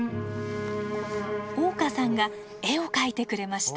香さんが絵を描いてくれました。